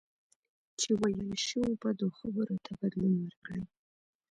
چې ویل شوو بدو خبرو ته بدلون ورکړئ.